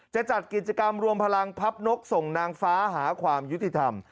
จะจัดกิจกรรมรวมพลังพับนกส่งนางฟ้าหาความยุติธรรม